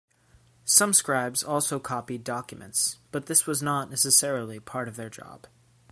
Some scribes also copied documents, but this was not necessarily part of their job.